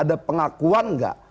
ada pengakuan enggak